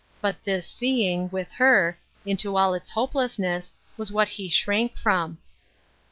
But this " seeing," with her, into all its hopelessness, was what he shrank rom.